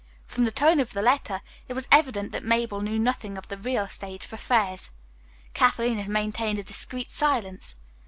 From the tone of the letter it was evident that Mabel knew nothing of the real state of affairs. Kathleen had maintained a discreet silence.